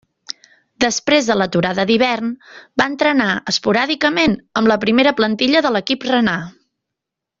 Després de l'aturada d'hivern, va entrenar esporàdicament amb la primera plantilla de l'equip renà.